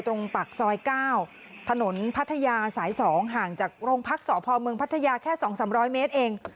ตรงปากซอย๙ถนนพัทยาสาย๒ห่างจากโรงพักษพเมืองพัทยาแค่๒๓๐๐เมตรเอง